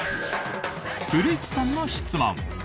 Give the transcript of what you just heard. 古市さんの質問。